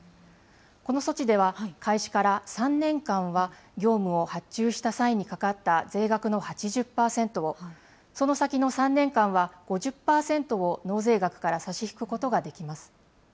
この措置では開始から３年間は業務を発注した際にかかった税額の８０％を、その先の３年間は５０％を、納税額から差し引くことができます。